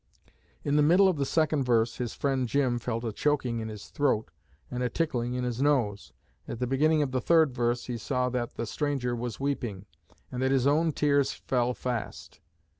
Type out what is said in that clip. In the middle of the second verse his friend 'Jim' felt a choking in his throat and a tickling in his nose. At the beginning of the third verse he saw that the stranger was weeping, and his own tears fell fast.